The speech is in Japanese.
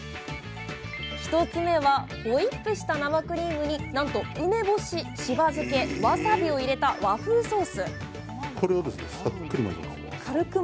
１つ目はホイップした生クリームになんと梅干ししば漬けわさびを入れた和風ソース